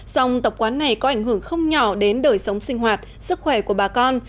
dòng tập quán này có ảnh hưởng không nhỏ đến đời sống sinh hoạt sức khỏe của bà con